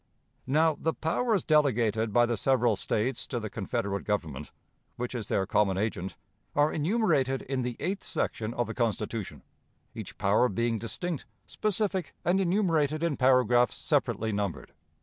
"Now, the powers delegated by the several States to the Confederate Government, which is their common agent, are enumerated in the eighth section of the Constitution; each power being distinct, specific, and enumerated in paragraphs separately numbered.